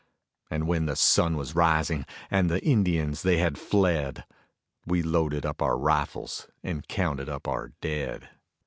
And when the sun was rising and the Indians they had fled, We loaded up our rifles and counted up our dead.